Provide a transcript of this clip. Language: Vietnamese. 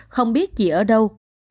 không biết chị ở đâu